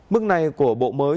mức này của bộ mới